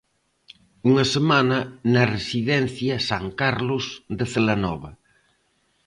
Unha semana na residencia San Carlos de Celanova.